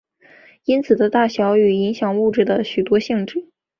原子的大小与影响物质的许多性质。